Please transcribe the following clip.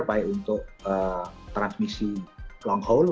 baik untuk transmisi long whole